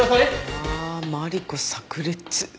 ああマリコ炸裂！